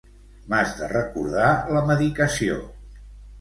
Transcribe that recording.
M'has de recordar la medicació.